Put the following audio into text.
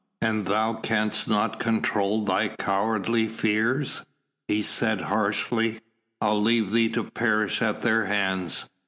"An thou canst not control thy cowardly fears," he said harshly, "I'll leave thee to perish at their hands."